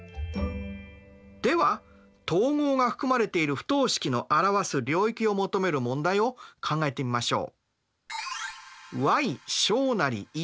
では等号が含まれている不等式の表す領域を求める問題を考えてみましょう。